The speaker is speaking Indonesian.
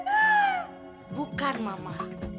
mama itu kacau banget